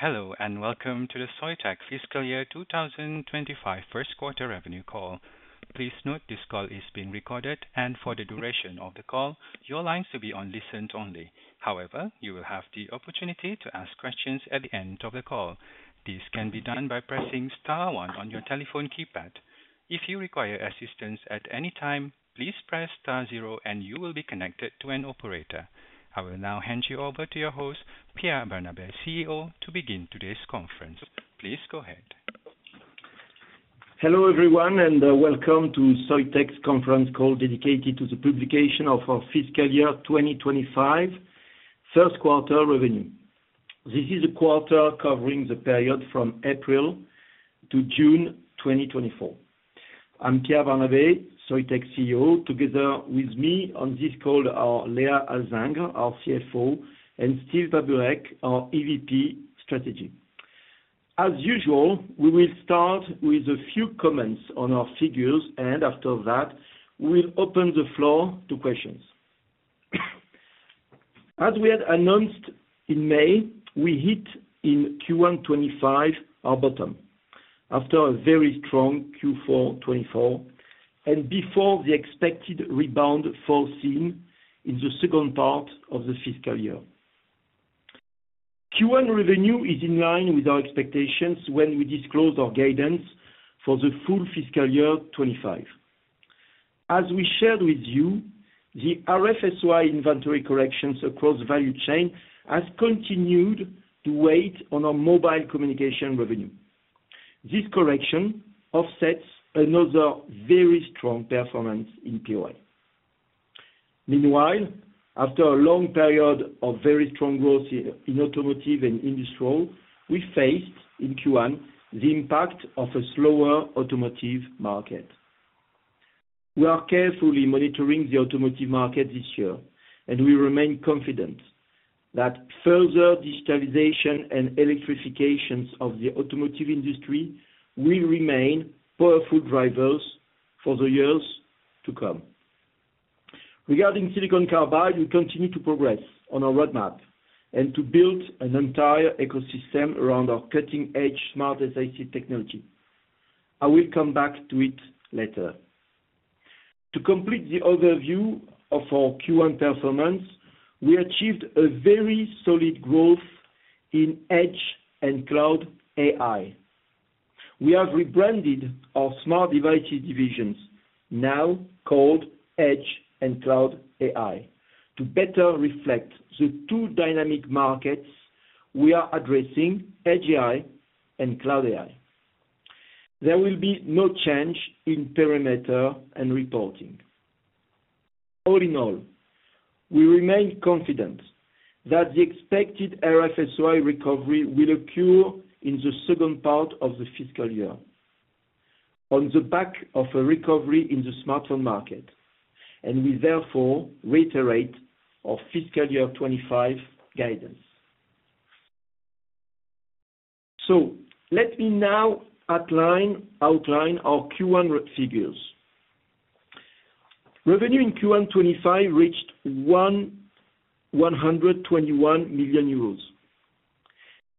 Hello, and welcome to the Soitec Fiscal Year 2025 first quarter revenue call. Please note this call is being recorded and for the duration of the call, your lines will be on listen only. However, you will have the opportunity to ask questions at the end of the call. This can be done by pressing star one on your telephone keypad. If you require assistance at any time, please press star zero and you will be connected to an operator. I will now hand you over to your host, Pierre Barnabé, CEO, to begin today's conference. Please go ahead. Hello, everyone, and welcome to Soitec's conference call dedicated to the publication of our fiscal year 2025 first quarter revenue. This is a quarter covering the period from April to June 2024. I'm Pierre Barnabé, Soitec CEO, together with me on this call are Léa Alzingre, our CFO, and Steve Baburek, our EVP Strategy. As usual, we will start with a few comments on our figures, and after that, we'll open the floor to questions. As we had announced in May, we hit in Q1 2025, our bottom, after a very strong Q4 2024 and before the expected rebound foreseen in the second part of the fiscal year. Q1 revenue is in line with our expectations when we disclosed our guidance for the full fiscal year 2025. As we shared with you, the RF-SOI inventory corrections across value chain has continued to weigh on our mobile communication revenue. This correction offsets another very strong performance in POI. Meanwhile, after a long period of very strong growth in automotive and industrial, we faced, in Q1, the impact of a slower automotive market. We are carefully monitoring the automotive market this year, and we remain confident that further digitalization and electrifications of the automotive industry will remain powerful drivers for the years to come. Regarding silicon carbide, we continue to progress on our roadmap and to build an entire ecosystem around our cutting-edge SmartSiC technology. I will come back to it later. To complete the overview of our Q1 performance, we achieved a very solid growth in Edge and Cloud AI. We have rebranded our Smart Devices divisions, now called Edge and Cloud AI, to better reflect the two dynamic markets we are addressing, Edge AI and Cloud AI. There will be no change in perimeter and reporting. All in all, we remain confident that the expected RF-SOI recovery will occur in the second part of the fiscal year, on the back of a recovery in the smartphone market, and we therefore reiterate our fiscal year 2025 guidance. So let me now outline our Q1 figures. Revenue in Q1 2025 reached 121 million euros.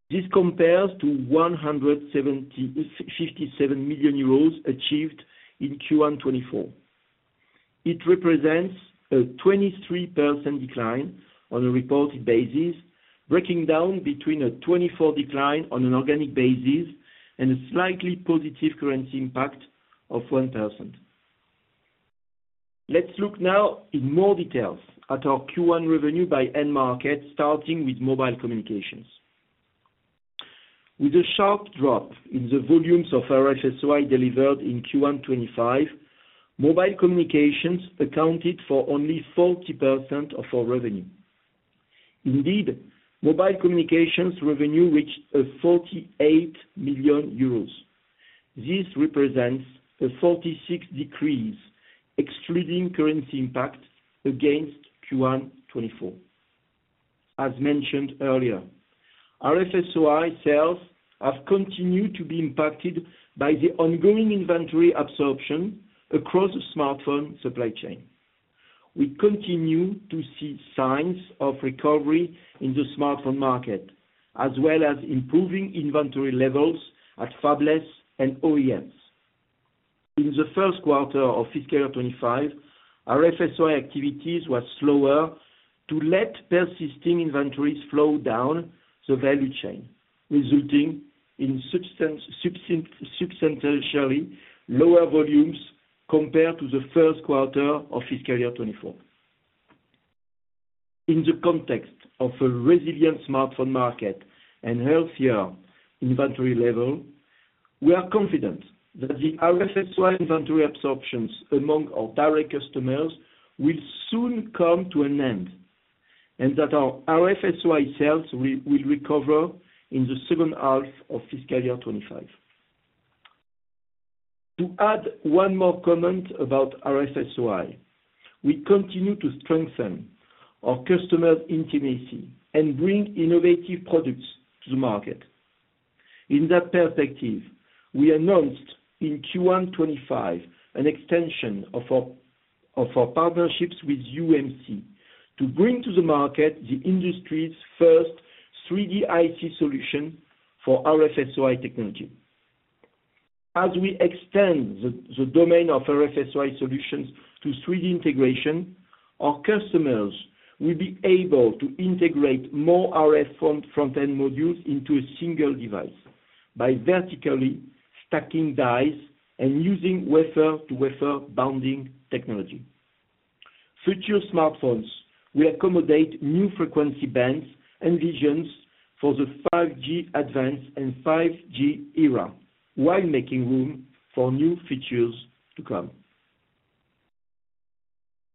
This compares to 157 million euros achieved in Q1 2024. It represents a 23% decline on a reported basis, breaking down between a 24% decline on an organic basis and a slightly positive currency impact of 1%. Let's look now in more details at our Q1 revenue by end market, starting with Mobile Communications. With a sharp drop in the volumes of RF-SOI delivered in Q1 2025, Mobile Communications accounted for only 40% of our revenue. Indeed, Mobile Communications revenue reached 48 million euros. This represents a 46% decrease, excluding currency impact, against Q1 2024. As mentioned earlier, RF-SOI sales have continued to be impacted by the ongoing inventory absorption across the smartphone supply chain. We continue to see signs of recovery in the smartphone market, as well as improving inventory levels at fabless and OEMs. In the first quarter of fiscal year 2025, RF-SOI activities were slower to let persisting inventories flow down the value chain, resulting in substantially lower volumes compared to the first quarter of fiscal year 2024. In the context of a resilient smartphone market and healthier inventory level, we are confident that the RF-SOI inventory absorptions among our direct customers will soon come to an end, and that our RF-SOI sales will recover in the second half of fiscal year 2025. To add one more comment about RF-SOI, we continue to strengthen our customer intimacy and bring innovative products to the market. In that perspective, we announced in Q1 2025, an extension of our partnerships with UMC to bring to the market the industry's first 3D IC solution for RF-SOI technology. As we extend the domain of RF-SOI solutions to 3D integration, our customers will be able to integrate more RF front-end modules into a single device by vertically stacking dies and using wafer-to-wafer bonding technology. Future smartphones will accommodate new frequency bands and visions for the 5G-Advanced and 5G era, while making room for new features to come.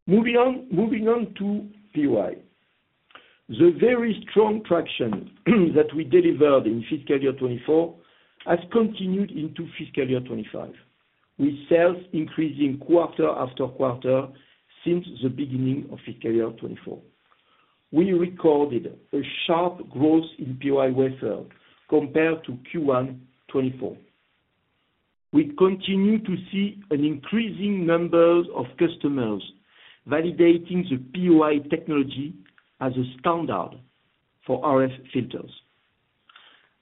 Moving on, moving on to POI. The very strong traction that we delivered in fiscal year 2024 has continued into fiscal year 2025, with sales increasing quarter after quarter since the beginning of fiscal year 2024. We recorded a sharp growth in POI wafer compared to Q1 2024. We continue to see an increasing number of customers validating the POI technology as a standard for RF filters.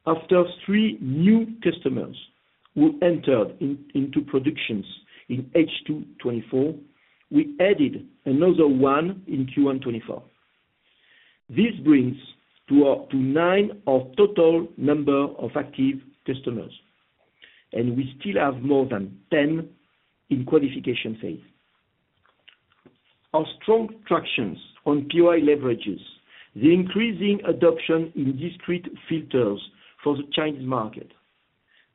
After three new customers who entered into productions in H2 2024, we added another one in Q1 2024. This brings to up to nine our total number of active customers, and we still have more than 10 in qualification phase. Our strong tractions on POI leverages the increasing adoption in discrete filters for the Chinese market.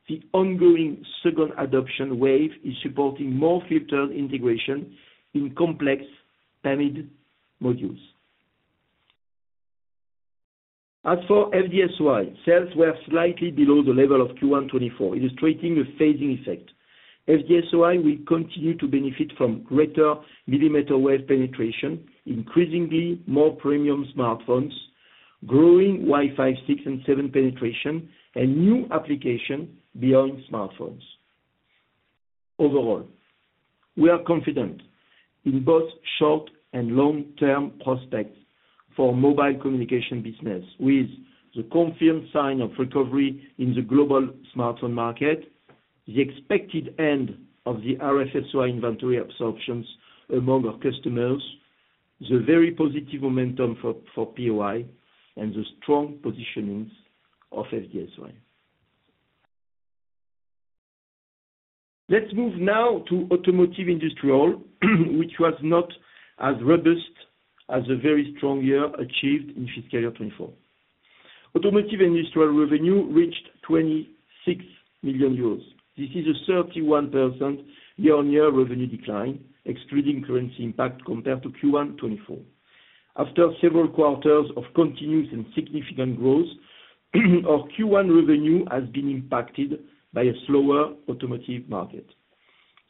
The ongoing second adoption wave is supporting more filter integration in complex MMIC modules. As for FD-SOI, sales were slightly below the level of Q1 2024, illustrating a phasing effect. FD-SOI will continue to benefit from greater millimeter wave penetration, increasingly more premium smartphones, growing Wi-Fi 6 and 7 penetration, and new application beyond smartphones. Overall, we are confident in both short and long-term prospects for mobile communication business, with the confirmed sign of recovery in the global smartphone market, the expected end of the RF-SOI inventory absorptions among our customers, the very positive momentum for POI, and the strong positionings of FD-SOI. Let's move now to Automotive & Industrial, which was not as robust as a very strong year achieved in fiscal year 2024. Automotive industrial revenue reached 26 million euros. This is a 31% year-over-year revenue decline, excluding currency impact compared to Q1 2024. After several quarters of continuous and significant growth, our Q1 revenue has been impacted by a slower automotive market.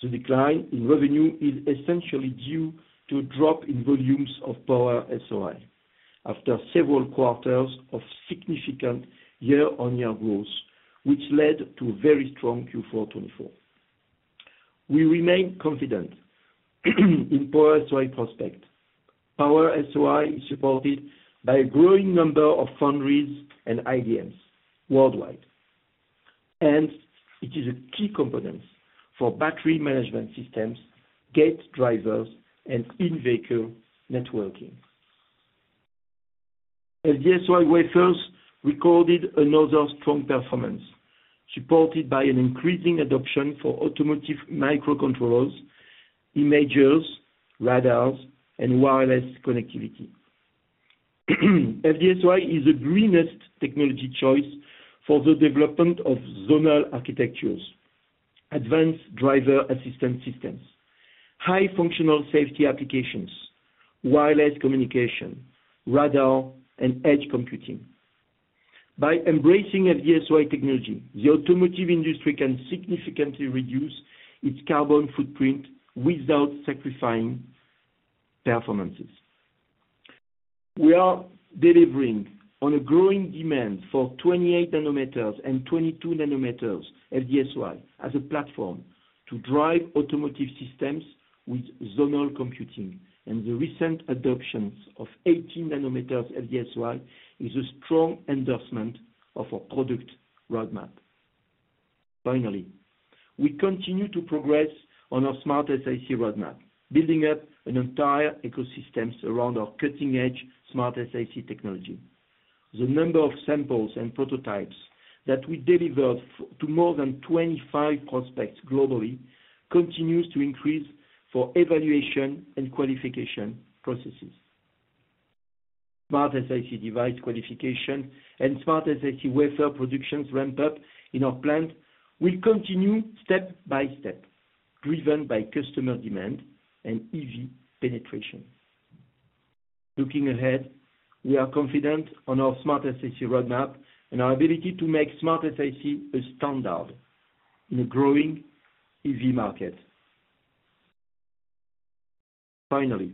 The decline in revenue is essentially due to a drop in volumes of Power-SOI, after several quarters of significant year-over-year growth, which led to a very strong Q4 2024. We remain confident in Power-SOI prospects. Power-SOI is supported by a growing number of foundries and IDMs worldwide, and it is a key component for battery management systems, gate drivers, and in-vehicle networking. FD-SOI wafers recorded another strong performance, supported by an increasing adoption for automotive microcontrollers, Imagers, radars, and wireless connectivity. FD-SOI is the greenest technology choice for the development of zonal architectures, advanced driver assistance systems, high functional safety applications, wireless communication, radar, and edge computing. By embracing FD-SOI technology, the automotive industry can significantly reduce its carbon footprint without sacrificing performance. We are delivering on a growing demand for 28 nanometers and 22 nanometers FD-SOI as a platform to drive automotive systems with zonal computing, and the recent adoption of 18 nanometers FD-SOI is a strong endorsement of our product roadmap. Finally, we continue to progress on our SmartSiC roadmap, building up an entire ecosystems around our cutting-edge SmartSiC technology. The number of samples and prototypes that we delivered to more than 25 prospects globally, continues to increase for evaluation and qualification processes. SmartSiC device qualification and SmartSiC wafer productions ramp up in our plant will continue step by step, driven by customer demand and EV penetration. Looking ahead, we are confident on our SmartSiC roadmap and our ability to make SmartSiC a standard in a growing EV market. Finally,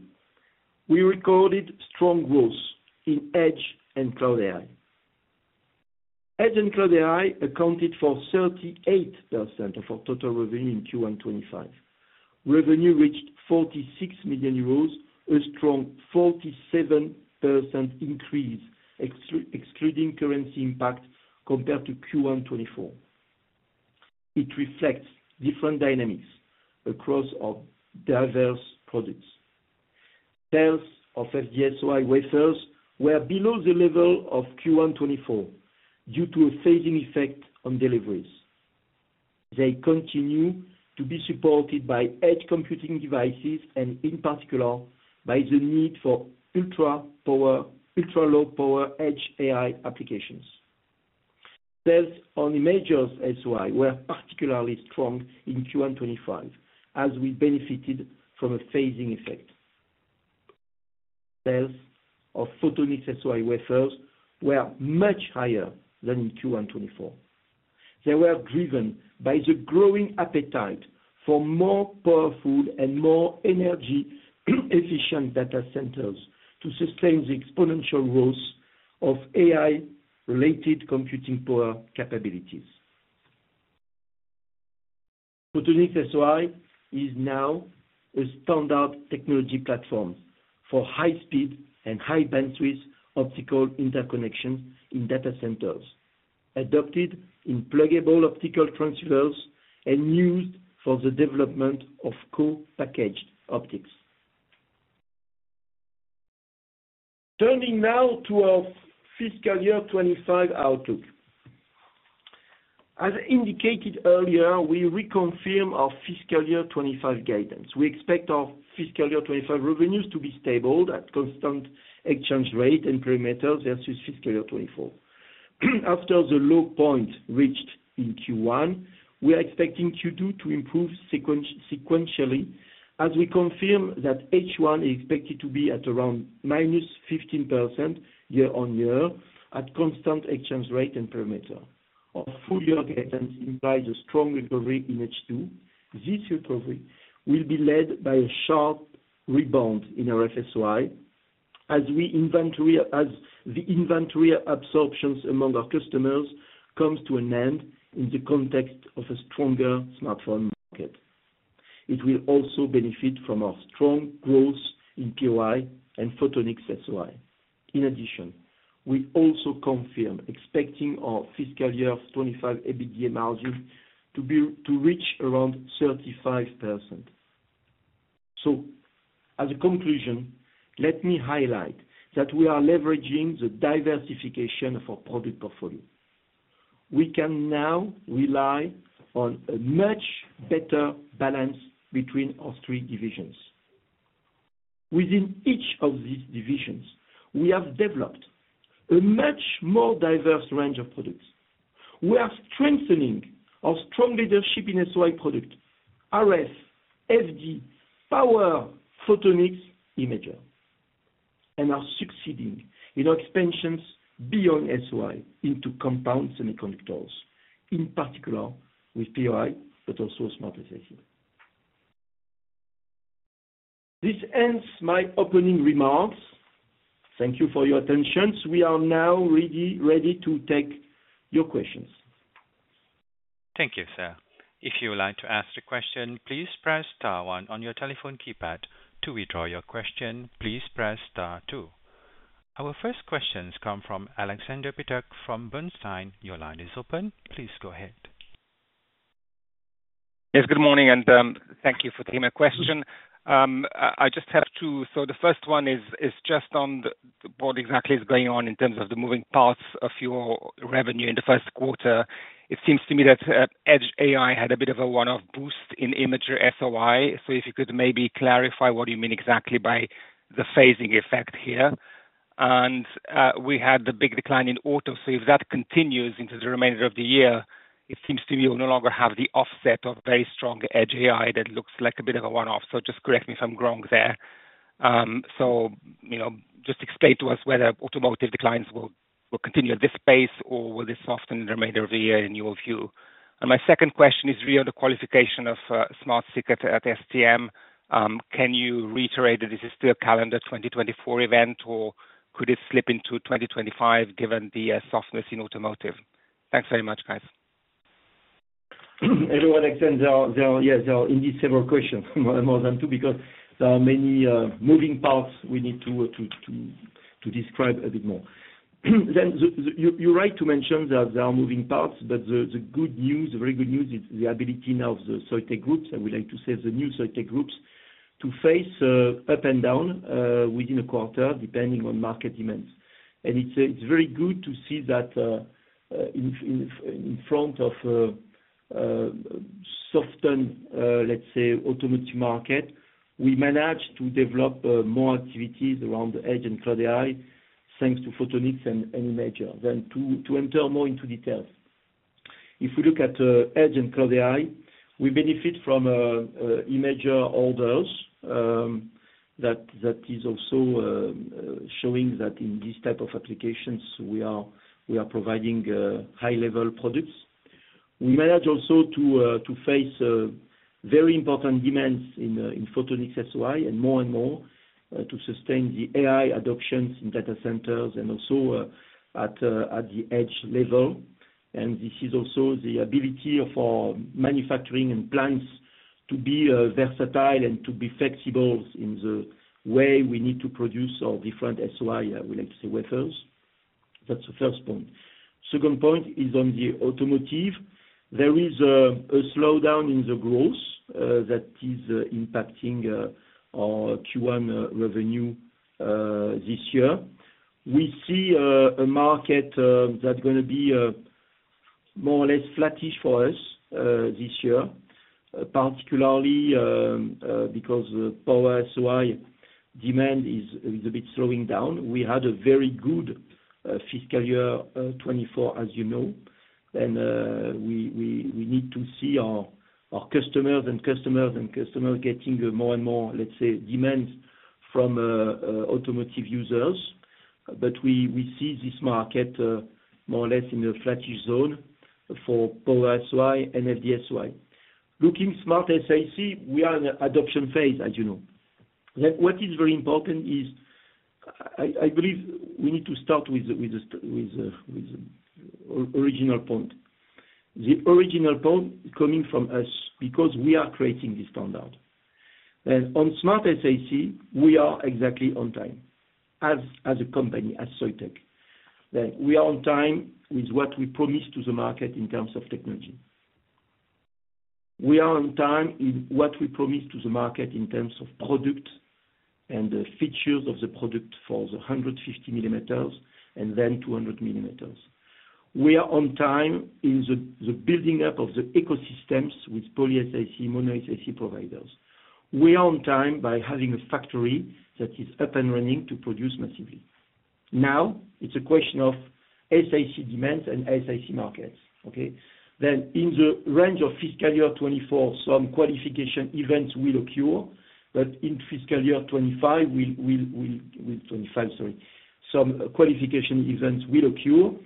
we recorded strong growth in Edge and Cloud AI. Edge and Cloud AI accounted for 38% of our total revenue in Q1 2025. Revenue reached 46 million euros, a strong 47% increase, excluding currency impact, compared to Q1 2024. It reflects different dynamics across our diverse products. Sales of FD-SOI wafers were below the level of Q1 2024 due to a phasing effect on deliveries. They continue to be supported by edge computing devices, and in particular, by the need for ultra-power, ultra-low power edge AI applications. Sales on Imager-SOI were particularly strong in Q1 2025, as we benefited from a phasing effect. Sales of Photonics-SOI wafers were much higher than in Q1 2024. They were driven by the growing appetite for more powerful and more energy efficient data centers to sustain the exponential growth of AI-related computing power capabilities. Photonics-SOI is now a standard technology platform for high speed and high bandwidth optical interconnection in data centers, adopted in pluggable optical transceivers and used for the development of co-packaged optics. Turning now to our fiscal year 2025 outlook. As indicated earlier, we reconfirm our fiscal year 2025 guidance. We expect our fiscal year 2025 revenues to be stable at constant exchange rate and parameters versus fiscal year 2024. After the low point reached in Q1, we are expecting Q2 to improve sequentially, as we confirm that H1 is expected to be at around -15% year-over-year, at constant exchange rate and parameters. Our full year guidance implies a strong recovery in H2. This recovery will be led by a sharp rebound in our FSI as the inventory absorptions among our customers comes to an end in the context of a stronger smartphone market. It will also benefit from our strong growth in POI and Photonics-SOI. In addition, we also confirm expecting our fiscal year of 2025 EBITDA margin to be, to reach around 35%. So as a conclusion, let me highlight that we are leveraging the diversification of our product portfolio. We can now rely on a much better balance between our three divisions. Within each of these divisions, we have developed a much more diverse range of products. We are strengthening our strong leadership in SOI product, RF, FD, power, Photonics, Imager, and are succeeding in our expansions beyond SOI into compound semiconductors, in particular with POI, but also smart sensor. This ends my opening remarks. Thank you for your attention. We are now ready to take your questions. Thank you, sir. If you would like to ask a question, please press star one on your telephone keypad. To withdraw your question, please press star two. Our first question comes from Aleksander Peterc from Bernstein. Your line is open. Please go ahead. Yes, good morning, and thank you for taking my question. I just have two. So the first one is just on the what exactly is going on in terms of the moving parts of your revenue in the first quarter. It seems to me that Edge AI had a bit of a one-off boost in Imager-SOI. So if you could maybe clarify what you mean exactly by the phasing effect here. We had the big decline in auto. So if that continues into the remainder of the year, it seems to me you'll no longer have the offset of very strong Edge AI that looks like a bit of a one-off. So just correct me if I'm wrong there. So, you know, just explain to us whether automotive declines will, will continue at this pace, or will this soften the remainder of the year in your view? And my second question is really on the qualification of SmartSiC at STM. Can you reiterate that this is still a calendar 2024 event, or could it slip into 2025, given the softness in automotive? Thanks very much, guys. Hello, Alexander. There are indeed several questions, more than two, because there are many moving parts we need to describe a bit more. Then you, you're right to mention that there are moving parts, but the good news, the very good news is the ability now of the Soitec groups, I would like to say the new Soitec groups, to face up and down within a quarter, depending on market demands. And it's very good to see that in front of softened, let's say, automotive market, we managed to develop more activities around the Edge and Cloud AI, thanks to Photonics and Imager. Then to enter more into details. If we look at Edge and Cloud AI, we benefit from Imager orders, that is also showing that in these type of applications, we are providing high-level products.... We managed also to face very important demands in Photonics-SOI, and more and more to sustain the AI adoptions in data centers and also at the edge level. And this is also the ability of our manufacturing and plants to be versatile and to be flexible in the way we need to produce our different SOI, I would like to say, wafers. That's the first point. Second point is on the automotive. There is a slowdown in the growth that is impacting our Q1 revenue this year. We see a market that's going to be more or less flattish for us this year, particularly because the power-SOI demand is a bit slowing down. We had a very good fiscal year 2024, as you know, and we need to see our customers getting more and more, let's say, demands from automotive users. But we see this market more or less in a flattish zone for power-SOI and FD-SOI. Looking at SmartSiC, we are in an adoption phase, as you know. What is very important is I believe we need to start with the original point. The original point coming from us, because we are creating this standard. On SmartSiC, we are exactly on time, as, as a company, as Soitec, that we are on time with what we promised to the market in terms of technology. We are on time in what we promised to the market in terms of product and the features of the product for the 150 millimeters, and then 200 millimeters. We are on time in the, the building up of the ecosystems with poly-SiC, mono-SiC providers. We are on time by having a factory that is up and running to produce massively. Now, it's a question of SiC demands and SiC markets, okay? Then in the range of fiscal year 2024, some qualification events will occur, but in fiscal year 2025, we-- twenty-five, sorry. Some qualification events will occur.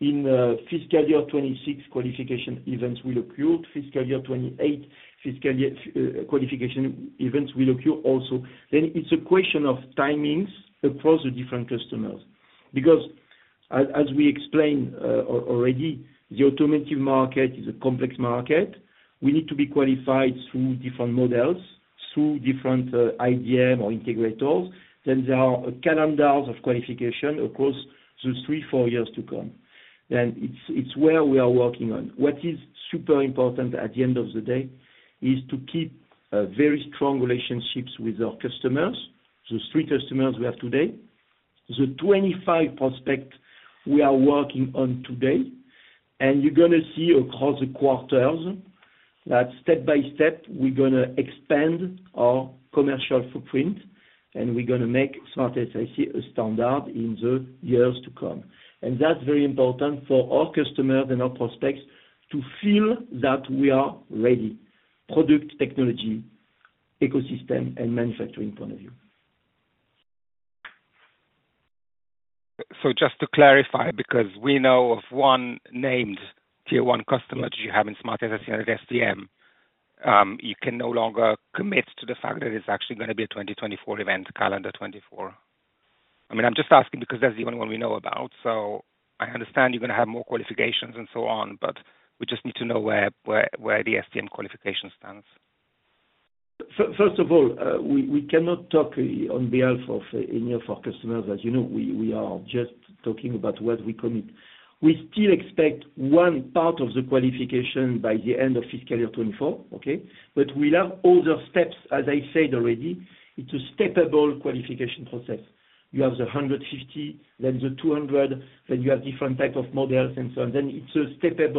In fiscal year 2026, qualification events will occur. Fiscal year 2028, fiscal year, qualification events will occur also. Then it's a question of timings across the different customers. Because as we explained already, the automotive market is a complex market. We need to be qualified through different models, through different IDM or integrators. Then there are calendars of qualification across those 3-4 years to come, and it's where we are working on. What is super important at the end of the day is to keep very strong relationships with our customers, the three customers we have today, the 25 prospects we are working on today. And you're going to see across the quarters that step by step, we're going to expand our commercial footprint, and we're going to make SmartSiC a standard in the years to come. That's very important for our customers and our prospects to feel that we are ready: product, technology, ecosystem, and manufacturing point of view. So just to clarify, because we know of one named tier one customer that you have in SmartSiC at STM. You can no longer commit to the fact that it's actually going to be a 2024 event, calendar 2024? I mean, I'm just asking because that's the only one we know about. So I understand you're going to have more qualifications and so on, but we just need to know where, where, where the STM qualification stands. First of all, we cannot talk on behalf of any of our customers. As you know, we are just talking about what we commit. We still expect one part of the qualification by the end of fiscal year 2024, okay? But we'll have other steps. As I said already, it's a step-by-step qualification process. You have the 150, then the 200, then you have different type of models, and so on. Then it's a step-by-step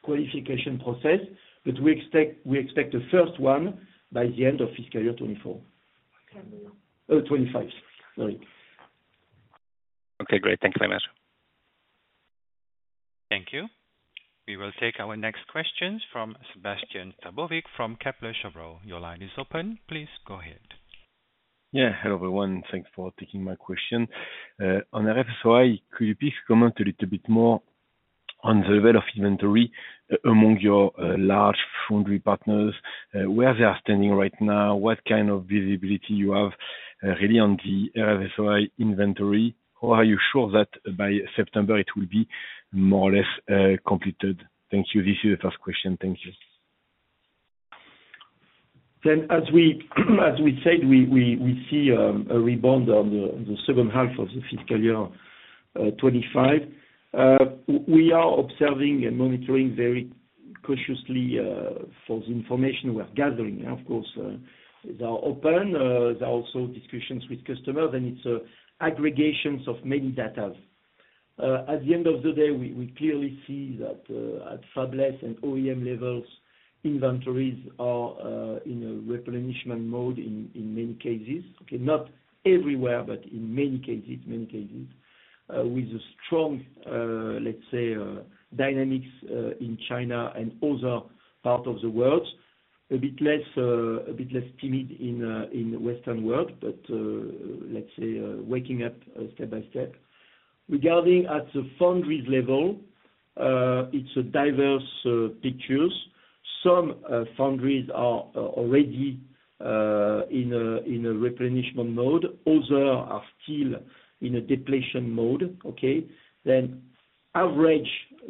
qualification process, but we expect the first one by the end of fiscal year 2024. Okay. 25, sorry. Okay, great. Thank you very much. Thank you. We will take our next questions from Sebastien Taveau from Kepler Cheuvreux. Your line is open. Please go ahead. Yeah, hello, everyone. Thanks for taking my question. On RF-SOI, could you please comment a little bit more on the level of inventory among your large foundry partners, where they are standing right now, what kind of visibility you have, really on the RF-SOI inventory? Or are you sure that by September it will be more or less completed? Thank you. This is the first question. Thank you. Then as we said, we see a rebound on the second half of the fiscal year 2025. We are observing and monitoring very cautiously for the information we are gathering. Of course, they are open, there are also discussions with customers, and it's aggregations of many datas. At the end of the day, we clearly see that at fabless and OEM levels, inventories are in a replenishment mode in many cases. Okay, not everywhere, but in many cases with a strong, let's say, dynamics in China and other parts of the world... a bit less timid in the Western world, but let's say waking up step by step. Regarding the foundries level, it's a diverse picture. Some foundries are already in a replenishment mode. Others are still in a depletion mode, okay? On average,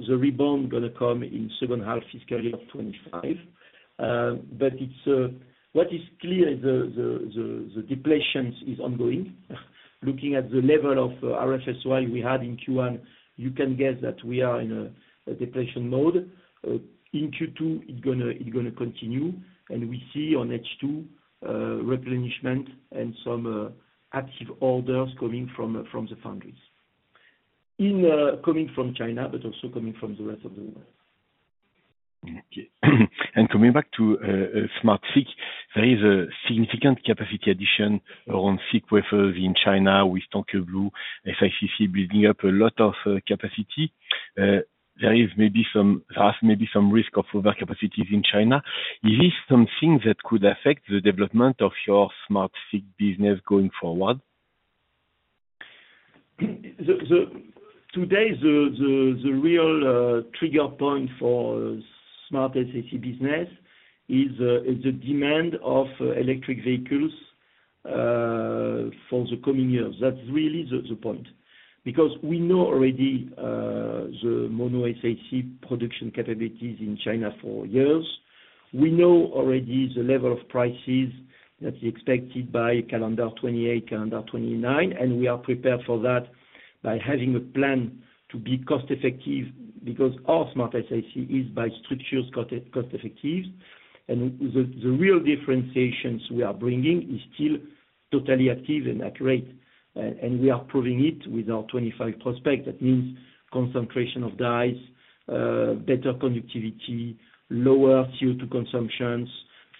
the rebound going to come in second half fiscal year of 2025. But it's what is clear, the depletions is ongoing. Looking at the level of RF-SOI we had in Q1, you can guess that we are in a depletion mode. In Q2, it's going to continue, and we see in H2 replenishment and some active orders coming from the foundries, incoming from China, but also coming from the rest of the world. Okay. And coming back to smart SiC, there is a significant capacity addition around SiC wafers in China with TankeBlue, SICC building up a lot of capacity. There is maybe some risk, maybe some risk of over capacities in China. Is this something that could affect the development of your SmartSiC business going forward? Today, the real trigger point for SmartSiC business is the demand of electric vehicles for the coming years. That's really the point. Because we know already the mono SiC production capabilities in China for years. We know already the level of prices that is expected by calendar 2028, calendar 2029, and we are prepared for that by having a plan to be cost effective, because our SmartSiC is by structures cost effective. And the real differentiations we are bringing is still totally active and accurate, and we are proving it with our 2025 prospect. That means concentration of dyes, better conductivity, lower CO2 consumptions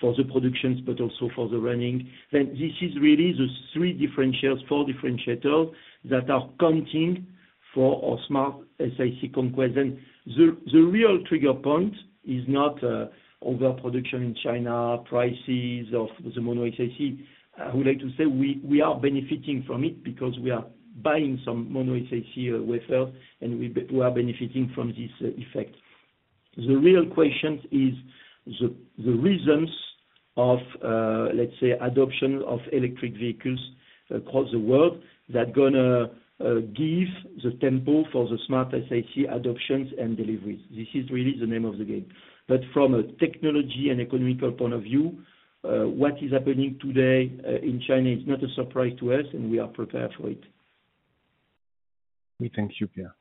for the productions, but also for the running. Then this is really the three differentiators, four differentiator that are counting for our SmartSiC conquest. Then the real trigger point is not overproduction in China, prices of the mono SiC. I would like to say we are benefiting from it, because we are buying some mono SiC wafer, and we are benefiting from this effect. The real question is the reasons of, let's say, adoption of electric vehicles across the world, that going to give the tempo for the smart SiC adoptions and deliveries. This is really the name of the game. But from a technology and economical point of view, what is happening today in China is not a surprise to us, and we are prepared for it. We thank you, Pierre.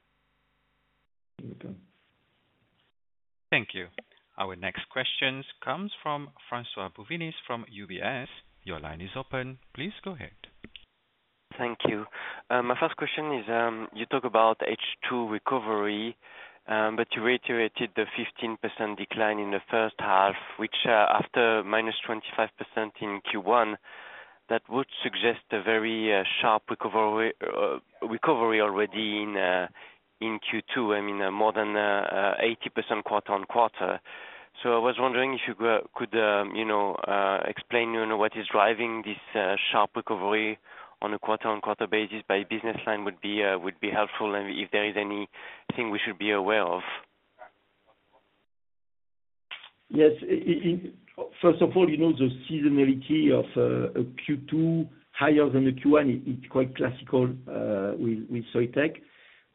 You're welcome. Thank you. Our next questions comes from François Bouvignies from UBS. Your line is open. Please go ahead. Thank you. My first question is, you talk about H2 recovery, but you reiterated the 15% decline in the first half, which, after -25% in Q1, that would suggest a very sharp recovery already in Q2, I mean, more than 80% quarter-on-quarter. So I was wondering if you could, you know, explain, you know, what is driving this sharp recovery on a quarter-on-quarter basis by business line would be helpful, and if there is anything we should be aware of? Yes, I first of all, you know, the seasonality of a Q2 higher than the Q1, it's quite classical with Soitec.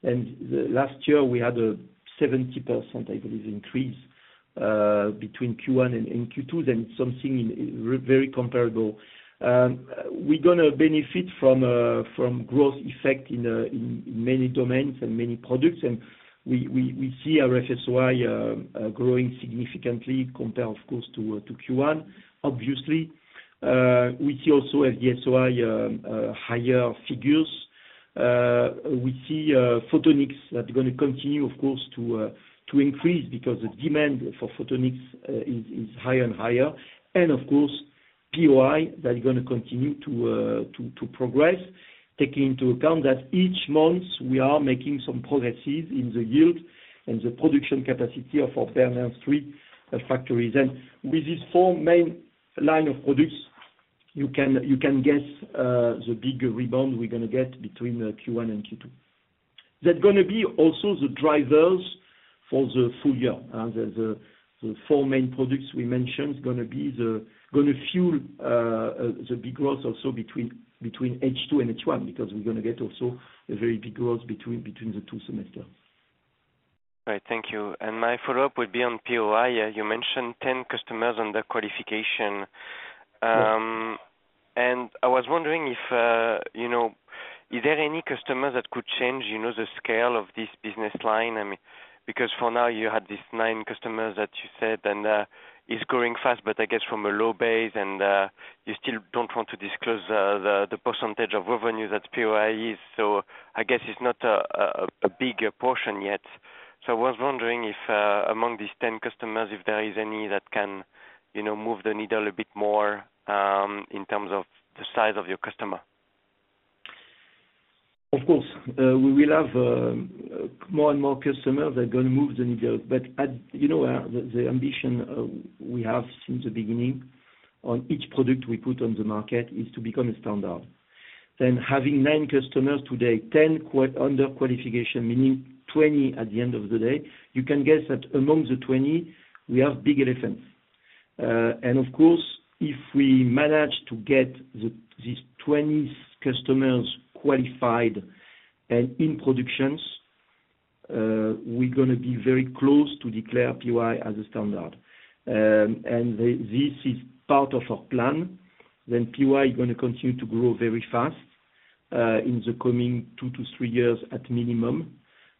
And last year, we had a 70% increase, I believe, between Q1 and Q2, then something very comparable. We're going to benefit from growth effect in many domains and many products, and we see our RF-SOI growing significantly compared, of course, to Q1, obviously. We see also at the SOI higher figures. We see Photonics that are going to continue, of course, to increase, because the demand for Photonics is higher and higher. Of course, POI, that is going to continue to progress, taking into account that each month we are making some progresses in the yield and the production capacity of our Bernin 3 factories. With these four main line of products, you can guess the big rebound we're going to get between Q1 and Q2. That going to be also the drivers for the full year. The four main products we mentioned going to be the going to fuel the big growth also between H2 and H1, because we're going to get also a very big growth between the two semesters. Right. Thank you. My follow-up would be on POI. You mentioned 10 customers under qualification. Yes. And I was wondering if, you know, is there any customer that could change, you know, the scale of this business line? I mean, because for now, you had these nine customers that you said, and it's growing fast, but I guess from a low base, and you still don't want to disclose the percentage of revenue that POI is. So I guess it's not a bigger portion yet. So I was wondering if, among these ten customers, if there is any that can, you know, move the needle a bit more, in terms of the size of your customer? Of course, we will have more and more customers that are going to move the needle. But at, you know, the ambition we have since the beginning on each product we put on the market is to become a standard. Then having 9 customers today, 10 under qualification, meaning 20 at the end of the day, you can guess that among the 20, we have big elephants. And of course, if we manage to get these 20 customers qualified and in productions, we're going to be very close to declare POI as a standard. And this is part of our plan. Then POI is going to continue to grow very fast in the coming 2-3 years at minimum.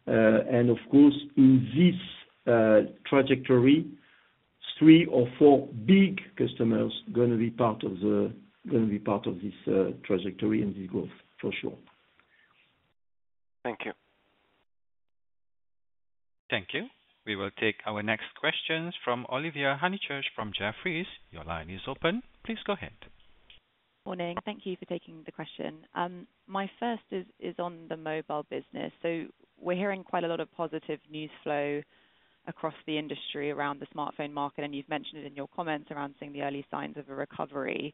Of course, in this trajectory, three or four big customers going to be part of this trajectory and the growth, for sure. Thank you. Thank you. We will take our next questions from Olivia Honeychurch, from Jefferies. Your line is open. Please go ahead. Morning. Thank you for taking the question. My first is on the mobile business. So we're hearing quite a lot of positive news flow across the industry around the smartphone market, and you've mentioned it in your comments around seeing the early signs of a recovery.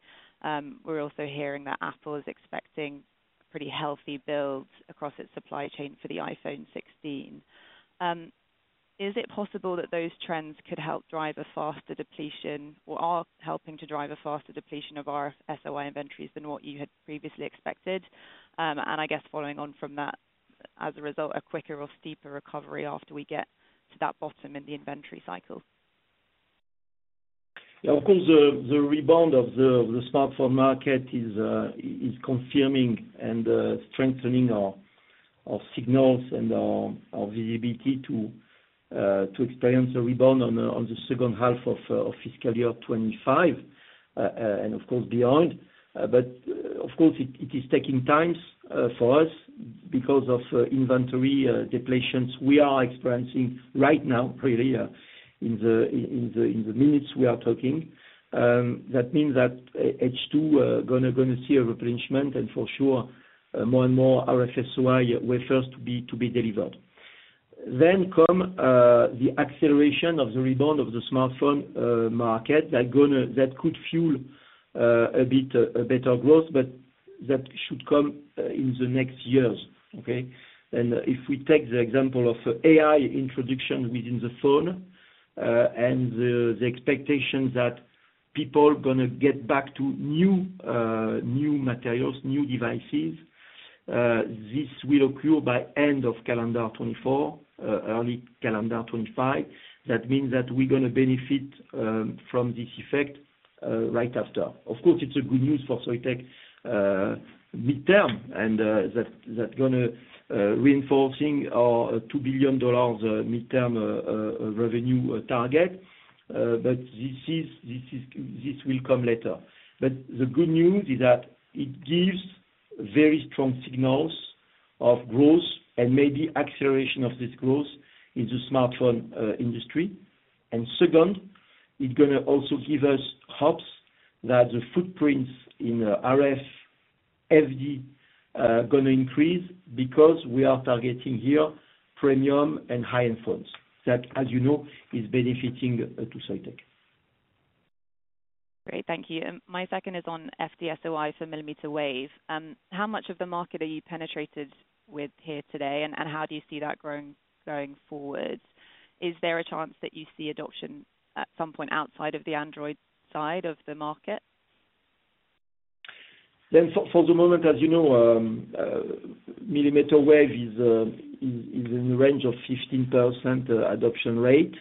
We're also hearing that Apple is expecting pretty healthy builds across its supply chain for the iPhone 16. Is it possible that those trends could help drive a faster depletion, or are helping to drive a faster depletion of our SOI inventories than what you had previously expected? And I guess following on from that, as a result, a quicker or steeper recovery after we get to that bottom in the inventory cycle? Yeah, of course, the rebound of the smartphone market is confirming and strengthening our signals and our VABT to experience a rebound on the second half of fiscal year 2025, and of course, beyond. But of course, it is taking time for us because of inventory depletions we are experiencing right now, prior to the minutes we are talking. That means that H2, we're going to see a replenishment, and for sure, more and more RF-SOI wafers to be delivered. Then come the acceleration of the rebound of the smartphone market, that could fuel a bit a better growth, but that should come in the next years, okay? If we take the example of AI introduction within the phone, and the expectation that people are going to get back to new materials, new devices, this will occur by end of calendar 2024, early calendar 2025. That means that we're going to benefit from this effect right after. Of course, it's good news for Soitec midterm, and that's going to reinforcing our $2 billion midterm revenue target. But this is this will come later. But the good news is that it gives very strong signals of growth and maybe acceleration of this growth in the smartphone industry. And second, it's going to also give us hopes that the footprints in RFFE are going to increase because we are targeting here premium and high-end phones. That, as you know, is benefiting to Soitec. Great, thank you. My second is on FD-SOI for millimeter wave. How much of the market are you penetrated with here today, and how do you see that growing going forward? Is there a chance that you see adoption at some point outside of the Android side of the market? Then for the moment, as you know, millimeter wave is in the range of 15% adoption rate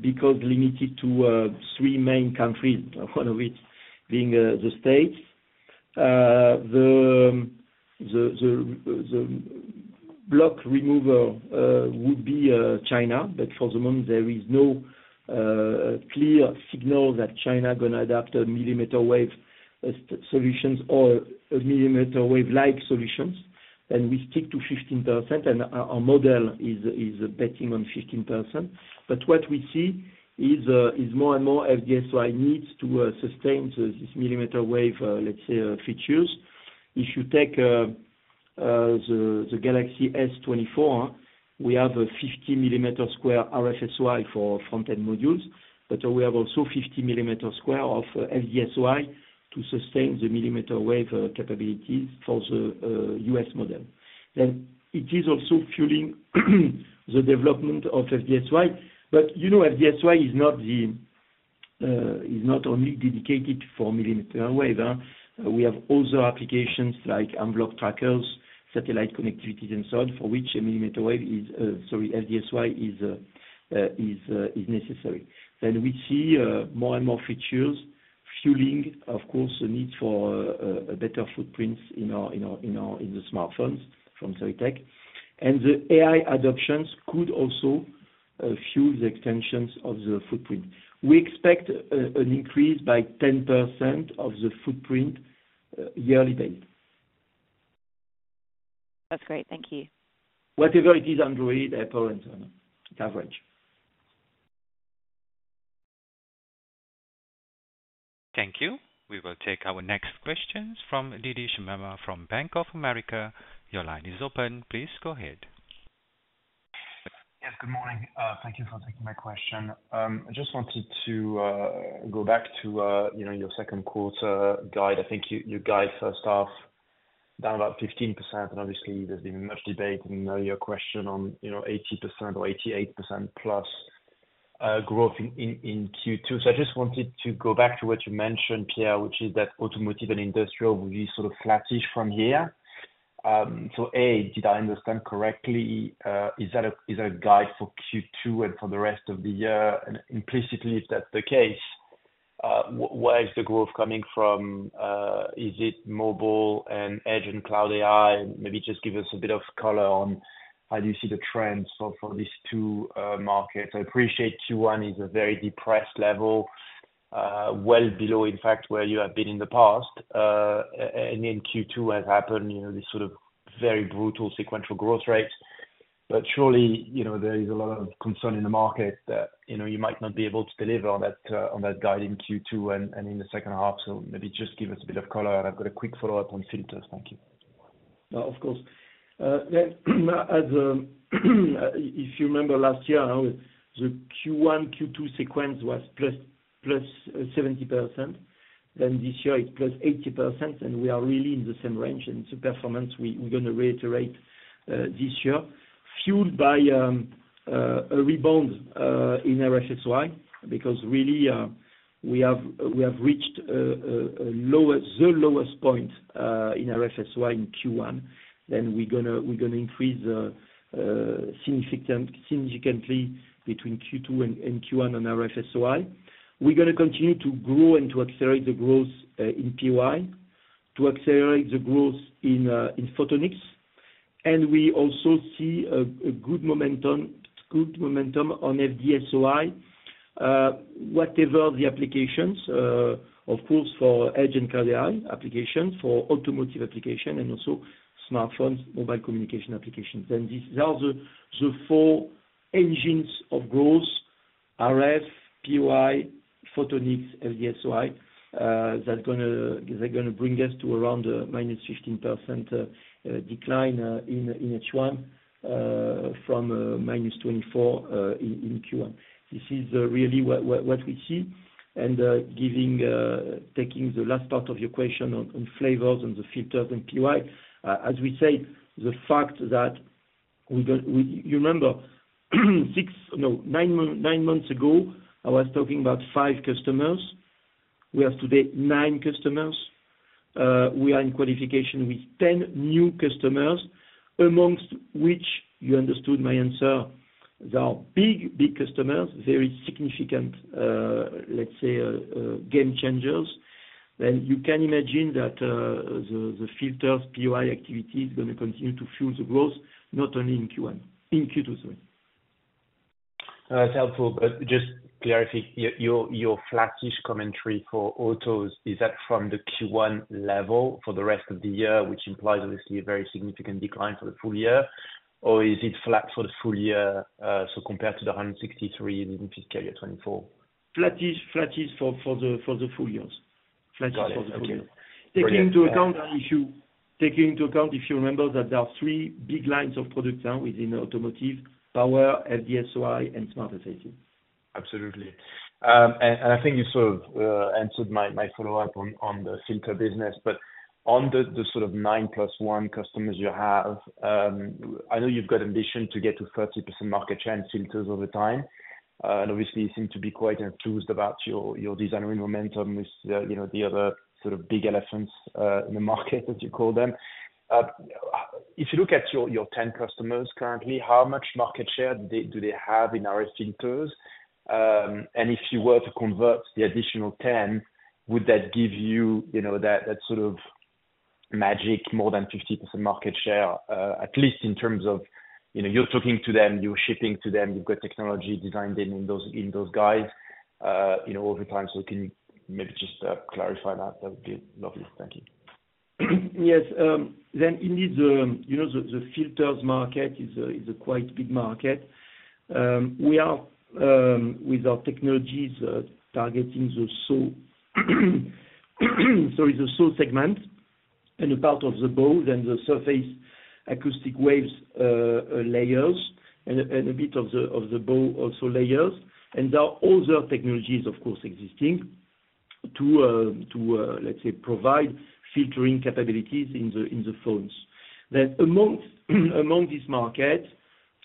because limited to three main countries, one of which being the States. The block Uncertain would be China, but for the moment, there is no clear signal that China going to adopt a millimeter wave solutions or a millimeter wave-like solutions, and we stick to 15%, and our model is betting on 15%. But what we see is more and more FD-SOI needs to sustain this millimeter wave, let's say, features. If you take the Galaxy S24, we have a 50 mm square RF-SOI for front-end modules, but we have also 50 mm square of FD-SOI to sustain the millimeter wave capabilities for the U.S. model. Then it is also fueling the development of FD-SOI. But, you know, FD-SOI is not only dedicated for millimeter wave. We have also applications like envelope trackers, satellite connectivities and so on, for which a millimeter wave is, sorry, FD-SOI is necessary. Then we see more and more features fueling, of course, the need for a better footprints in the smartphones from Soitec. And the AI adoptions could also fuel the extensions of the footprint. We expect an increase by 10% of the footprint yearly base. That's great. Thank you. Whatever it is, Android, Apple, and so on, it's average. ... Thank you. We will take our next questions from Didier Scemama from Bank of America. Your line is open, please go ahead. Yes, good morning. Thank you for taking my question. I just wanted to go back to, you know, your second quarter guide. I think you guide first half, down about 15%, and obviously there's been much debate, and now your question on, you know, 80% or 88%+ growth in Q2. So I just wanted to go back to what you mentioned, Pierre, which is that automotive and industrial will be sort of flattish from here. So A, did I understand correctly, is that a guide for Q2 and for the rest of the year? And implicitly, if that's the case, where is the growth coming from? Is it mobile and edge and cloud AI? Maybe just give us a bit of color on how do you see the trends for these two markets. I appreciate Q1 is a very depressed level, well below, in fact, where you have been in the past, and in Q2 has happened, you know, this sort of very brutal sequential growth rates. But surely, you know, there is a lot of concern in the market that, you know, you might not be able to deliver on that, on that guide in Q2 and in the second half. So maybe just give us a bit of color, and I've got a quick follow up on filters. Thank you. No, of course. Then, as if you remember last year, how the Q1, Q2 sequence was plus 70%, then this year it's plus 80%, and we are really in the same range. And it's a performance we're going to reiterate this year, fueled by a rebound in RF-SOI. Because really, we have reached the lowest point in RF-SOI in Q1. Then we're going to increase significantly between Q2 and Q1 on RF-SOI. We're going to continue to grow and to accelerate the growth in POI, to accelerate the growth in Photonics. And we also see a good momentum on FD-SOI. Whatever the applications, of course, for edge and cloud AI applications, for automotive application, and also smartphones, mobile communication applications. Then these are the four engines of growth: RF, POI, Photonics, FD-SOI. That's going to bring us to around -15% decline in H1 from -24% in Q1. This is really what we see. Taking the last part of your question on flavors and the filters and POI. As we say, the fact that we don't, you remember, six, no, nine months ago, I was talking about 5 customers. We have today nine customers. We are in qualification with 10 new customers, amongst which, you understood my answer, there are big, big customers, very significant, let's say, game changers. Then you can imagine that the filters POI activity is going to continue to fuel the growth, not only in Q1, in Q2 as well. That's helpful. But just clarify, your, your flattish commentary for autos, is that from the Q1 level for the rest of the year, which implies obviously a very significant decline for the full year? Or is it flat for the full year, so compared to the 163, even if you carry it 2024? Flattish for the full years. Got it. Flattish for the full year. Okay. Taking into account, if you remember, that there are three big lines of products now within the automotive: power, FD-SOI, and smart safety. Absolutely. And I think you sort of answered my follow-up on the filter business. But on the sort of nine plus one customers you have, I know you've got ambition to get to 30% market share in filters over time, and obviously you seem to be quite enthused about your design and momentum with, you know, the other sort of big elephants in the market, as you call them. If you look at your 10 customers currently, how much market share do they have in RF filters? If you were to convert the additional 10, would that give you, you know, that, that sort of magic, more than 50% market share, at least in terms of, you know, you're talking to them, you're shipping to them, you've got technology designed in, in those, in those guys, you know, over time. So can you maybe just clarify that? That would be lovely. Thank you. Yes. Then indeed, you know, the filters market is a quite big market. We are with our technologies targeting the SOI segment, and a part of the BAW, then the surface acoustic waves layers, and a bit of the BAW also layers. And there are other technologies, of course, existing to, let's say, provide filtering capabilities in the phones. Then amongst this market,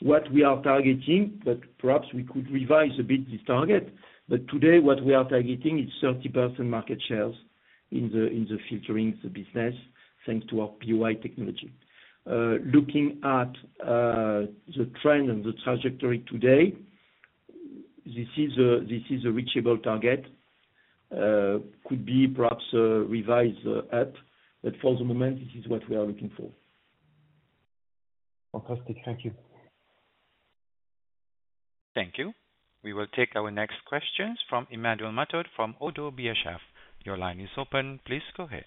what we are targeting, but perhaps we could revise a bit this target. But today, what we are targeting is 30% market shares in the filtering business, thanks to our POI technology. Looking at the trend and the trajectory today, this is a reachable target. It could be perhaps revised up, but for the moment, this is what we are looking for. Fantastic. Thank you. Thank you. We will take our next questions from Emmanuel Matot from ODDO BHF. Your line is open. Please go ahead. ...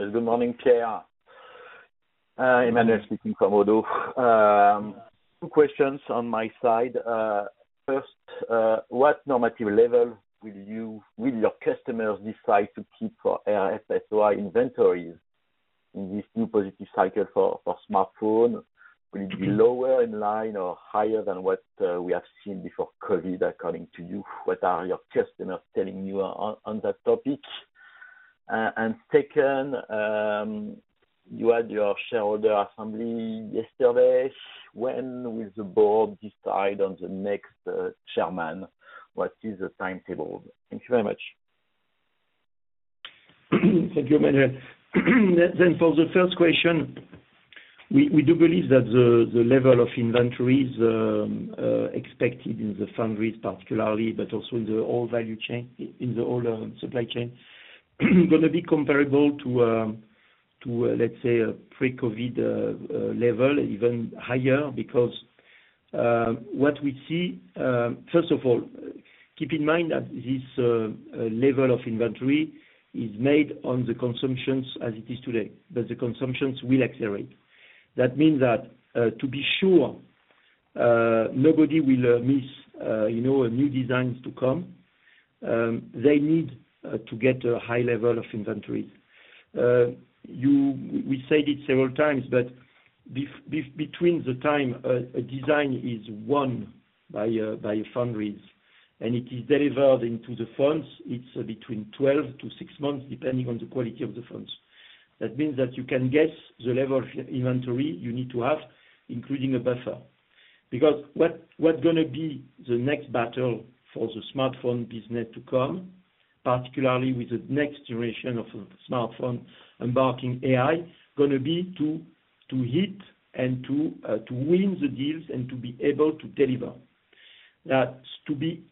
Good morning, Pierre. Emmanuel speaking from ODDO. Two questions on my side. First, what normative level will you, will your customers decide to keep for FD-SOI inventories in this new positive cycle for smartphone? Will it be lower in line or higher than what we have seen before Covid, according to you, what are your customers telling you on that topic? Second, you had your shareholder assembly yesterday. When will the board decide on the next chairman? What is the timetable? Thank you very much. Thank you, Emmanuel. Then for the first question, we do believe that the level of inventories expected in the foundries particularly, but also in the whole value chain, supply chain, going to be comparable to, let's say, a pre-COVID level, even higher. Because, what we see, first of all, keep in mind that this level of inventory is made on the consumptions as it is today, but the consumptions will accelerate. That means that, to be sure, nobody will miss, you know, new designs to come, they need to get a high level of inventory. We said it several times, but between the time a design is won by foundries, and it is delivered into the phones, it's between 12-6 months, depending on the quality of the phones. That means that you can guess the level of inventory you need to have, including a buffer. Because what's going to be the next battle for the smartphone business to come, particularly with the next generation of smartphone embarking AI, going to be to hit and to win the deals and to be able to deliver. That's to be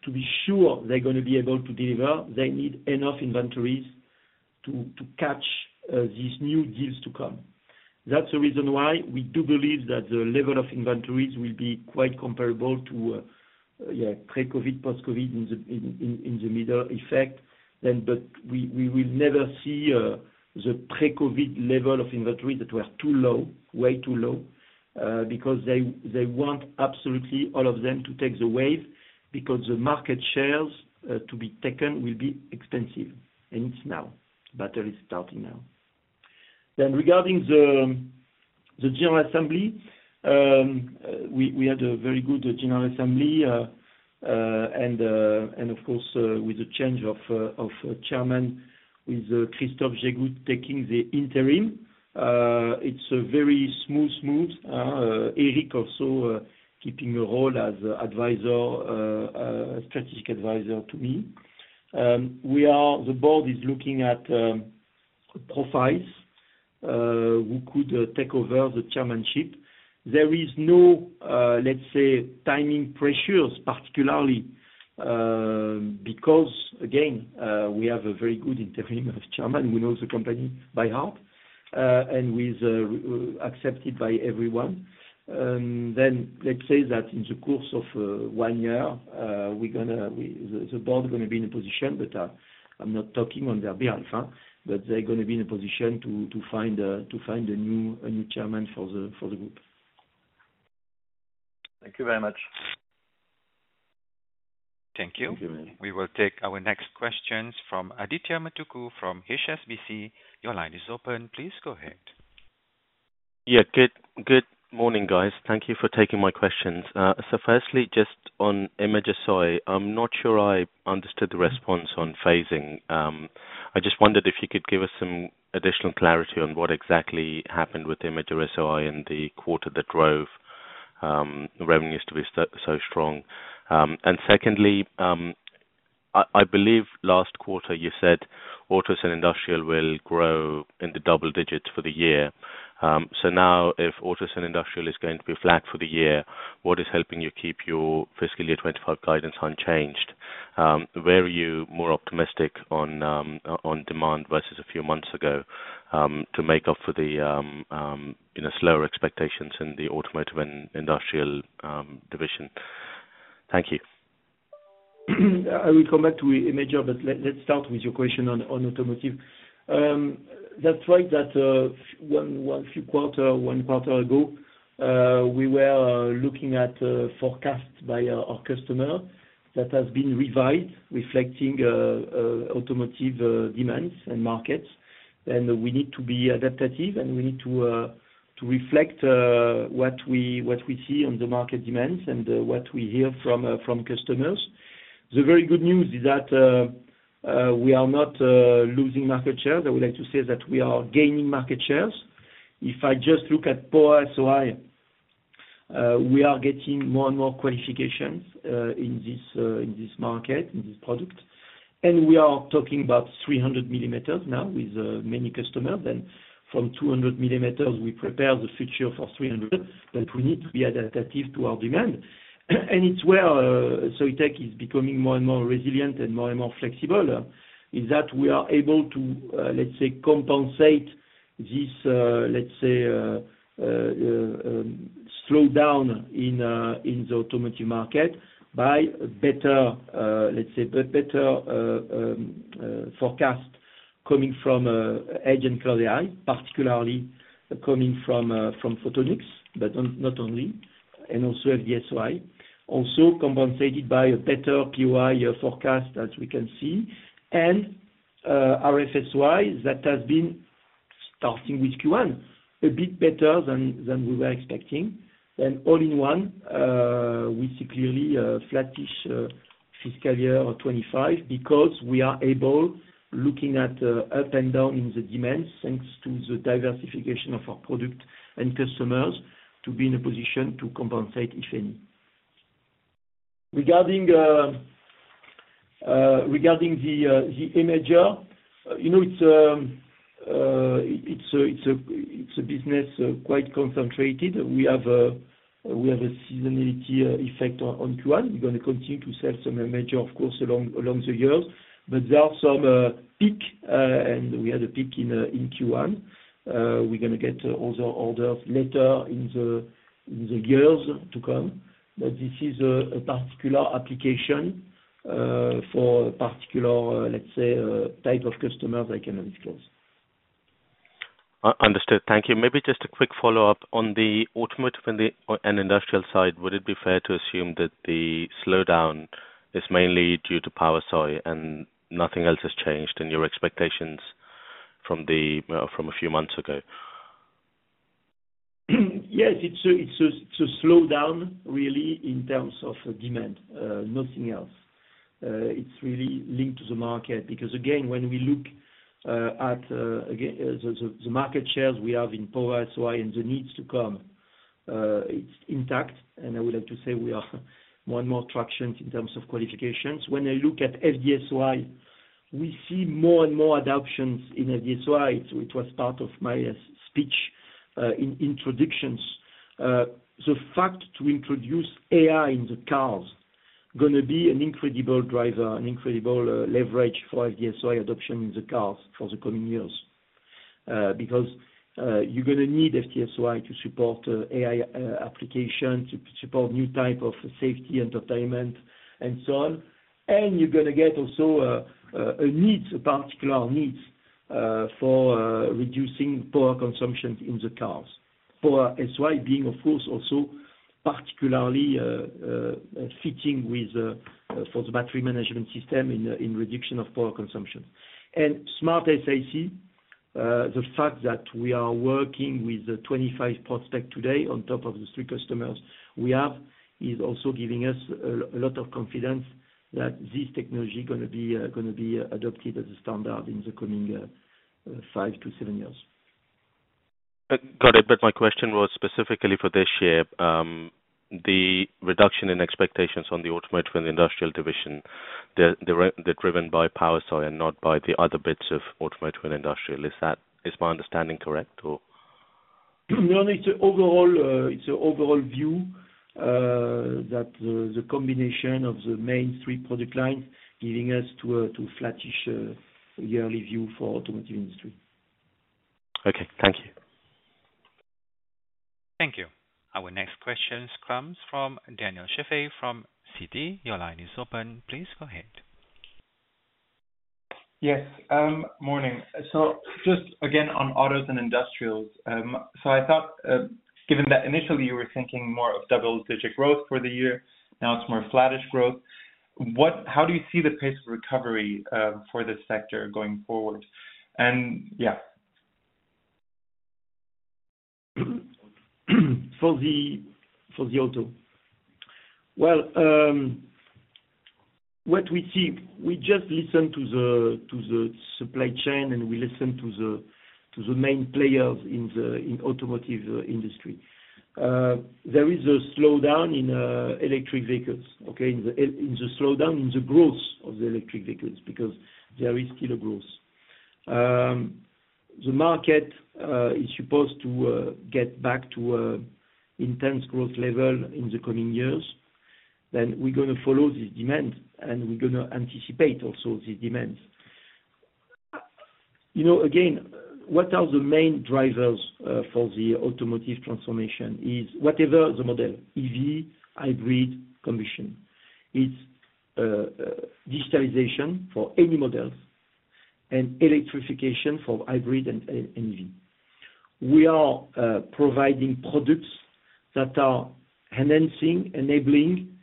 sure, they're going to be able to deliver, they need enough inventories to catch these new deals to come. That's the reason why we do believe that the level of inventories will be quite comparable to pre-COVID, post-COVID in the middle effect. But we will never see the pre-COVID level of inventory that were too low, way too low, because they want absolutely all of them to take the wave, because the market shares to be taken will be expensive, and it's now. Battle is starting now. Then, regarding the general assembly, we had a very good general assembly, and of course, with the change of chairman with Christophe Gégout taking the interim, it's a very smooth move. Eric also keeping a role as advisor, strategic advisor to me. The board is looking at profiles who could take over the chairmanship. There is no, let's say, timing pressures, particularly, because, again, we have a very good interim chairman who knows the company by heart, and who is accepted by everyone. Then let's say that in the course of one year, the board is going to be in a position, but I'm not talking on their behalf, but they're going to be in a position to find a new chairman for the group. Thank you very much. Thank you. Thank you. We will take our next questions from Adithya Metuku, from HSBC. Your line is open, please go ahead. Yeah, good morning, guys. Thank you for taking my questions. So firstly, just on Imager-SOI, I'm not sure I understood the response on phasing. I just wondered if you could give us some additional clarity on what exactly happened with Imager-SOI and the quarter that drove the revenues to be so, so strong. And secondly, I believe last quarter, you said autos and industrial will grow in the double digits for the year. So now, if autos and industrial is going to be flat for the year, what is helping you keep your fiscal year 2025 guidance unchanged? Where are you more optimistic on demand versus a few months ago to make up for the, you know, slower expectations in the automotive and industrial division? Thank you. I will come back to Imager, but let's start with your question on automotive. That's right. A few quarters ago, we were looking at forecasts by our customer. That has been revised, reflecting automotive demands and markets, and we need to be adaptive, and we need to reflect what we see on the market demands and what we hear from customers. The very good news is that we are not losing market shares. I would like to say that we are gaining market shares. If I just look at POI SOI, we are getting more and more qualifications in this market, in this product. And we are talking about 300 millimeters now with many customers, then from 200 millimeters, we prepare the future for 300, but we need to be adaptive to our demand. And it's where Soitec is becoming more and more resilient and more and more flexible is that we are able to, let's say, compensate this, let's say, slowdown in the automotive market by better, let's say, better forecast coming from Edge and Cloud AI, particularly coming from Photonics, but not only, and also FD-SOI. Also compensated by a better POI forecast, as we can see, and RF-SOI that has been starting with Q1, a bit better than we were expecting. Then all-in-one, we see clearly a flattish fiscal year of 2025, because we are able, looking at the up and down in the demands, thanks to the diversification of our product and customers, to be in a position to compensate, if any. Regarding the Imager, you know, it's a business quite concentrated. We have a seasonality effect on Q1. We're going to continue to sell some Imager, of course, along the years. But there are some peak, and we had a peak in Q1. We're going to get other orders later in the years to come. But this is a particular application for particular, let's say, type of customers I cannot disclose. Understood. Thank you. Maybe just a quick follow-up. On the automotive and the industrial side, would it be fair to assume that the slowdown is mainly due to Power-SOI, and nothing else has changed in your expectations from a few months ago? Yes, it's a slowdown, really, in terms of demand, nothing else. It's really linked to the market, because, again, when we look at the market shares we have in Power-SOI and the needs to come, it's intact. And I would like to say we are more and more traction in terms of qualifications. When I look at FD-SOI, we see more and more adoptions in FD-SOI, which was part of my speech in introductions. The fact to introduce AI in the cars going to be an incredible driver, an incredible leverage for FD-SOI adoption in the cars for the coming years. Because, you're going to need FD-SOI to support AI application, to support new type of safety, entertainment, and so on. And you're going to get also, a need, a particular need, for reducing power consumption in the cars. Power-SOI being, of course, also particularly, fitting with, for the battery management system in, in reduction of power consumption. And SmartSiC, the fact that we are working with 25 prospects today, on top of the three customers we have, is also giving us a lot of confidence that this technology going to be, going to be adopted as a standard in the coming, 5-7 years. Got it. But my question was specifically for this year. The reduction in expectations on the automotive and industrial division, they're driven by Power-SOI and not by the other bits of automotive and industrial. Is that—is my understanding correct, or? No, it's an overall view that the combination of the main three product lines giving us a flattish yearly view for automotive industry. Okay, thank you. Thank you. Our next question comes from Daniel Schafei, from Citi. Your line is open. Please go ahead. Yes, morning. So just again, on autos and industrials. So I thought, given that initially you were thinking more of double-digit growth for the year, now it's more flattish growth. What-how do you see the pace of recovery for this sector going forward? And yeah. For the auto. Well, what we see, we just listen to the supply chain, and we listen to the main players in the automotive industry. There is a slowdown in electric vehicles, okay? In the slowdown in the growth of the electric vehicles, because there is still a growth. The market is supposed to get back to an intense growth level in the coming years. Then we're going to follow the demand, and we're going to anticipate also the demands. You know, again, what are the main drivers for the automotive transformation? Is whatever the model, EV, hybrid, conventional. It's digitalization for any models and electrification for hybrid and EV. We are providing products that are enhancing, enabling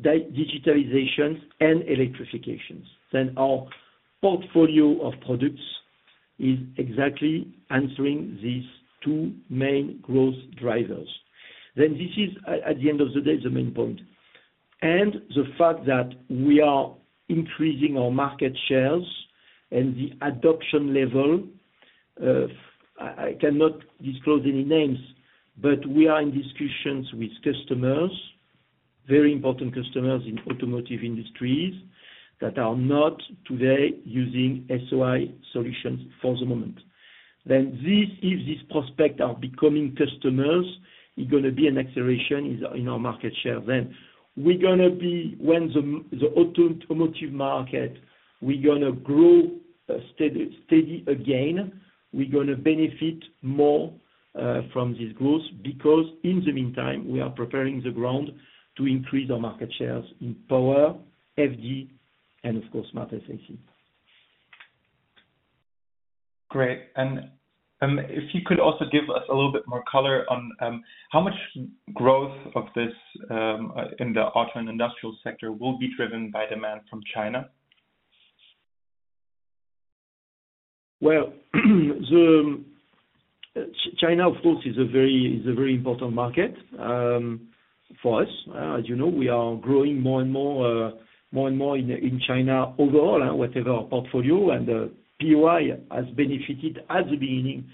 digitalizations and electrifications. Then our portfolio of products is exactly answering these two main growth drivers. Then this is at the end of the day the main point, and the fact that we are increasing our market shares and the adoption level, I cannot disclose any names, but we are in discussions with customers, very important customers in automotive industries, that are not today using SOI solutions for the moment. Then this, if these prospects are becoming customers, it's going to be an acceleration in our market share then. We're going to be when the automotive market, we're going to grow steady again. We're going to benefit more from this growth, because in the meantime, we are preparing the ground to increase our market shares in Power-SOI, FD-SOI, and of course, SmartSiC. Great. And if you could also give us a little bit more color on how much growth of this in the auto and industrial sector will be driven by demand from China? Well, China, of course, is a very important market for us. As you know, we are growing more and more in China overall, whatever our portfolio, and POI has benefited at the beginning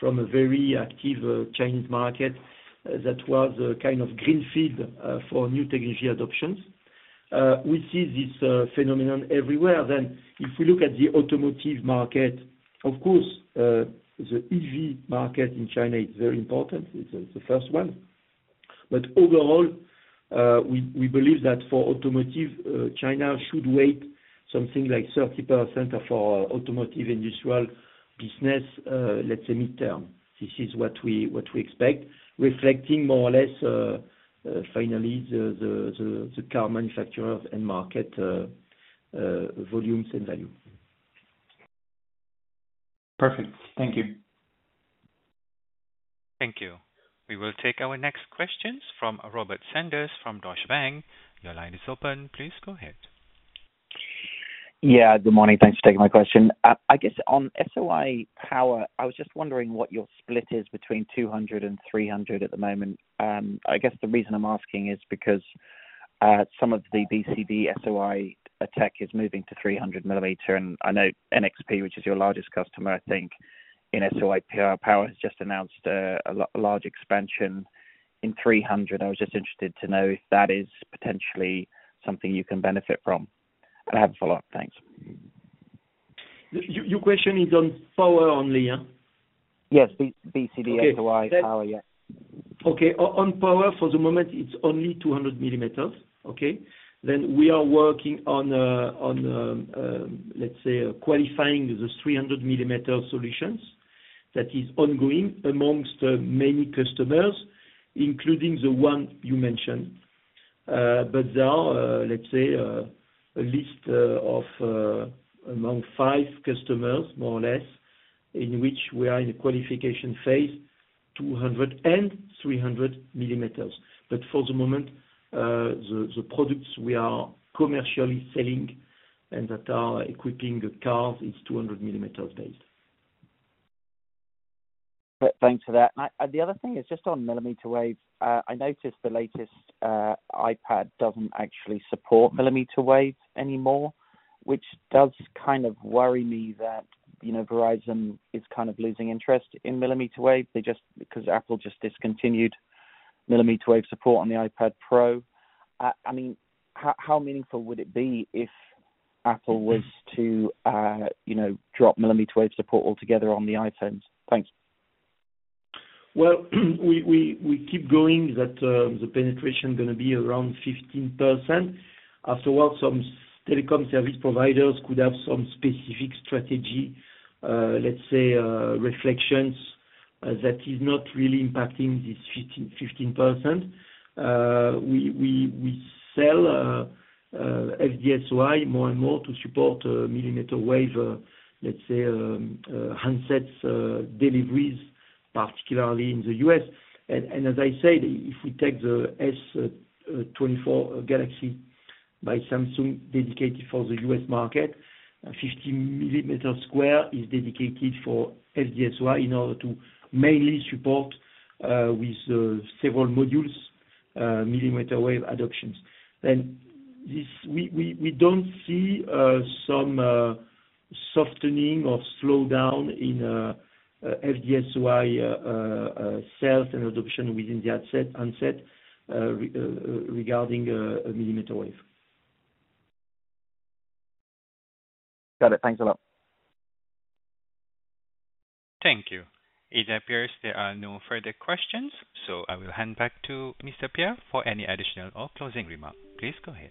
from a very active Chinese market that was a kind of greenfield for new technology adoptions. We see this phenomenon everywhere. Then, if you look at the automotive market, of course, the EV market in China is very important. It's the first one. But overall, we believe that for automotive, China should weight something like 30% for automotive industrial business, let's say midterm. This is what we expect, reflecting more or less finally the car manufacturer and market volumes and value. Perfect. Thank you. Thank you. We will take our next questions from Robert Sanders from Deutsche Bank. Your line is open, please go ahead. Yeah, good morning. Thanks for taking my question. I guess on SOI power, I was just wondering what your split is between 200 and 300 at the moment. I guess the reason I'm asking is because some of the Power-SOI tech is moving to 300 millimeter, and I know NXP, which is your largest customer, I think, in SOI Power, has just announced a large expansion in 300. I was just interested to know if that is potentially something you can benefit from? And I have a follow-up. Thanks. Your question is on power only, yeah? Yes, Okay. SOI power, yes. Okay. On power, for the moment, it's only 200 millimeters, okay? Then we are working on, let's say, qualifying the 300-millimeter solutions. That is ongoing amongst many customers, including the one you mentioned. But there are, let's say, a list of, among five customers, more or less, in which we are in a qualification phase, 200- and 300-millimeter. But for the moment, the products we are commercially selling and that are equipping the cars, is 200-millimeter based. Thanks for that. And the other thing is just on millimeter wave. I noticed the latest iPad doesn't actually support millimeter wave anymore, which does kind of worry me that, you know, Verizon is kind of losing interest in millimeter wave. Because Apple just discontinued millimeter wave support on the iPad Pro. I mean, how meaningful would it be if Apple was to, you know, drop millimeter wave support altogether on the iPhones? Thanks. Well, we keep going that the penetration going to be around 15%. After a while, some telecom service providers could have some specific strategy, let's say, reflections, that is not really impacting this 15%. We sell FD-SOI more and more to support millimeter wave, let's say, handset deliveries, particularly in the U.S. And as I said, if we take the S24 Galaxy by Samsung, dedicated for the U.S. market, 50 millimeter square is dedicated for FD-SOI in order to mainly support, with several modules, millimeter wave adoptions. Then this, we don't see some softening or slowdown in FD-SOI sales and adoption within the handset regarding millimeter wave. Got it. Thanks a lot. Thank you. It appears there are no further questions, so I will hand back to Mr. Pierre for any additional or closing remark. Please go ahead.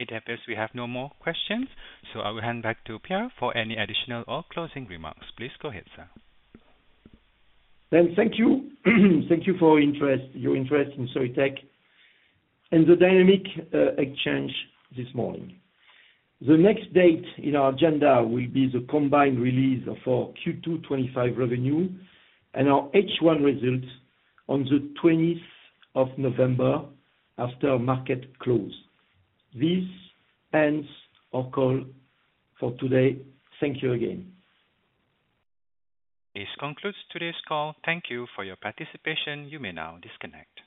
It appears we have no more questions, so I will hand back to Pierre for any additional or closing remarks. Please go ahead, sir. Thank you. Thank you for your interest, your interest in Soitec and the dynamic exchange this morning. The next date in our agenda will be the combined release for Q2 25 revenue, and our H1 results on the twentieth of November, after market close. This ends our call for today. Thank you again. This concludes today's call. Thank you for your participation. You may now disconnect.